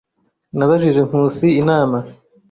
Nabajije Nkusi inama.